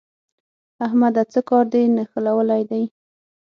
احمده! څه کار دې نښلولی دی؟